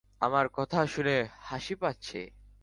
আমার কথা শুনে হাঁসি পাচ্ছে?